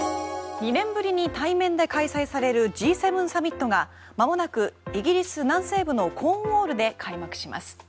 ２年ぶりに対面で開催されるＧ７サミットがまもなくイギリス南西部のコーンウォールで開幕します。